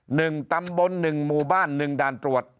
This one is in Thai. หนึ่งตำบลหนึ่งหมู่บ้านหนึ่งด่านตรวจ